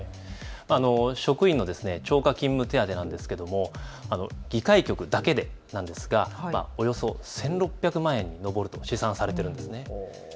職員の超過勤務手当なんですが議会局だけでおよそ１６００万円に上ると試算されているんです。